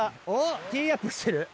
ティーアップしてる？